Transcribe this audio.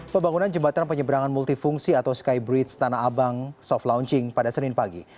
pembangunan jembatan penyeberangan multifungsi atau skybridge tanah abang soft launching pada senin pagi